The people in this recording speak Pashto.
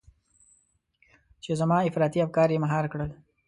چې زما افراطي افکار يې مهار کړل.